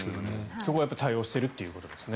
そこはやっぱり対応しているということなんですね。